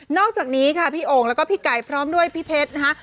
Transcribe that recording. อกจากนี้ค่ะพี่โอ่งแล้วก็พี่ไก่พร้อมด้วยพี่เพชรนะคะ